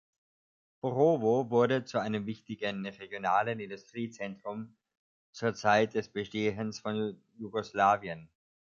Borovo wurde zu einem wichtigen regionalen Industriezentrum zur Zeit des Bestehens von Jugoslawien.